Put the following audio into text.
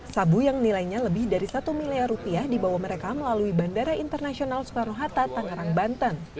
sabu yang nilainya lebih dari satu miliar rupiah dibawa mereka melalui bandara internasional soekarno hatta tangerang banten